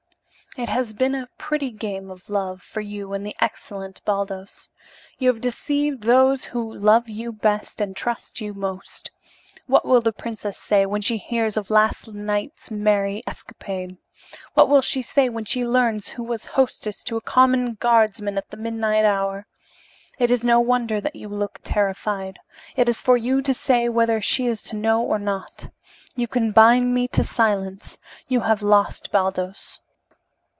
"It has been a pretty game of love for you and the excellent Baldos. You have deceived those who love you best and trust you most. What will the princess say when she hears of last night's merry escapade? What will she say when she learns who was hostess to a common guardsman at the midnight hour? It is no wonder that you look terrified. It is for you to say whether she is to know or not. You can bind me to silence. You have lost Baldos.